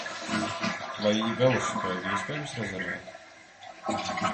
Vai velosipēdu iespējams rezervēt?